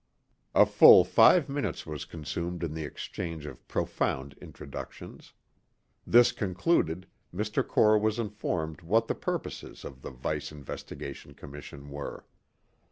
A full five minutes was consumed in the exchange of profound introductions. This concluded, Mr. Core was informed what the purposes of the Vice Investigation Commission were.